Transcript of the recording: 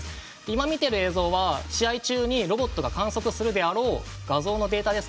今見てる映像は試合中にロボットが観測するであろう画像のデータですね。